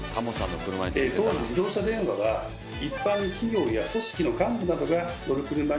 当時自動車電話は一般企業や組織の幹部などが乗る車に多く設置されました。